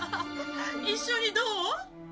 一緒にどう？